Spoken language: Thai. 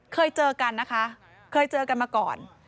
เคยเจอกันนะคะเคยเจอกันมาก่อน